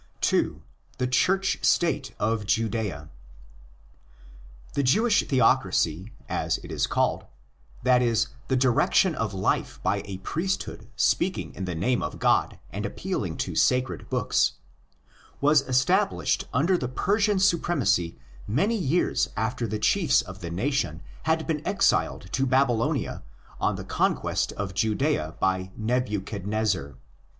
THE CHURCH STATE OF JUDMHA 7 2.—The Church State of Judea. The Jewish theocracy, as it is called—that is, the direction of life by a priesthood speaking in the name of God and appealing to sacred books—was established under the Persian supremacy many years after the chiefs of the nation had been exiled to Babylonia on the conquest of Judwa by Nebuchadnezzar.